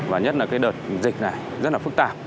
và nhất là cái đợt dịch này rất là phức tạp